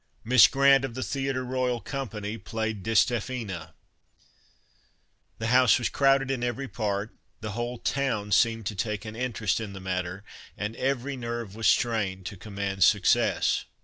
Miss Grant, of the Theatre Royal Company, played Distaffina. The house was crowded in every part, the whole town seemed to take an interest in the matter, and every nerve was strained to command success.